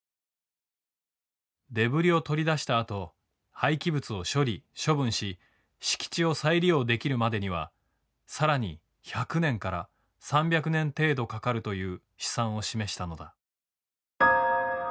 デブリを取り出したあと廃棄物を処理処分し敷地を再利用できるまでには更に１００年から３００年程度かかるという試算を示したのだ。